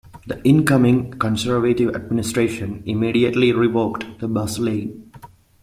The incoming Conservative administration immediately revoked the bus lane.